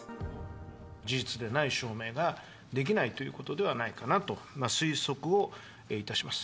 事実でない証明ができないということではないかなと、推測をいたします。